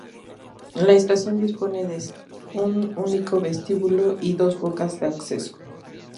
La estación dispone de un único vestíbulo y dos bocas de acceso.